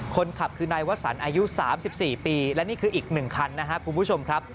คนขับคือนายวสันอายุสามสิบสี่ปีและนี่คืออีกหนึ่งคันนะฮะคุณผู้ชมครับ